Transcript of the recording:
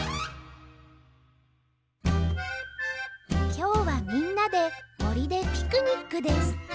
きょうはみんなでもりでピクニックです